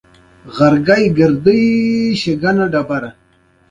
ایا ستاسو کشران درناوی کوي؟